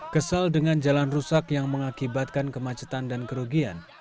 kesal dengan jalan rusak yang mengakibatkan kemacetan dan kerugian